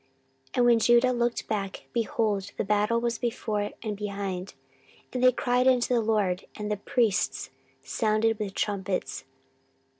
14:013:014 And when Judah looked back, behold, the battle was before and behind: and they cried unto the LORD, and the priests sounded with the trumpets.